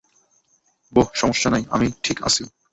বোহ, সমস্যা নেই, আমি ঠিক আছি।